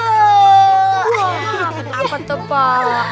wah apa tepat